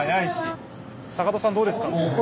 坂戸さんどうですか。